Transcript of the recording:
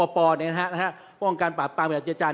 ป่อเนี่ยนะครับวงการปรากฏปางเวลาจริง